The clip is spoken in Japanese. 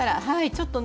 はい。